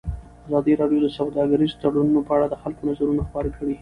ازادي راډیو د سوداګریز تړونونه په اړه د خلکو نظرونه خپاره کړي.